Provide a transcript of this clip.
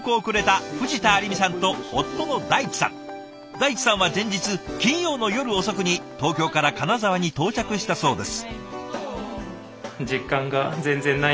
大地さんは前日金曜の夜遅くに東京から金沢に到着したそうです。